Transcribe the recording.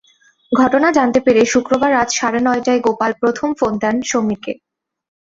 ঘটনা জানতে পেরে শুক্রবার রাত সাড়ে নয়টায় গোপাল প্রথম ফোন দেন সমীরকে।